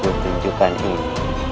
aku tunjukkan ini